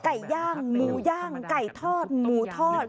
ไก่ย่างหมูย่างไก่ทอดหมูทอด